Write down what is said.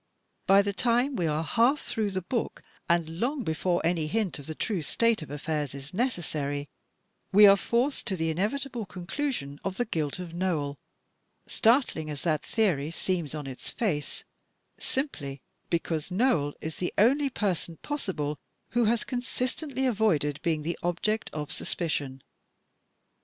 By the time we are half through the book and long before any hint of the true state of affairs is necessary, we are forced to the inevitable conclusion of the guilt of Noel, start 238 THE TECHNIQUE OF THE MYSTERY STORY ling as that theory seems on its face, simply because Noel is the only possible person who has consistently avoided being the object of suspicion.